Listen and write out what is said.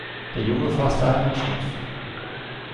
Der Junge fasste einen Entschluss.